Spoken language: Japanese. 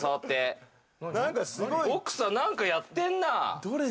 奥さん、なんかやってんな。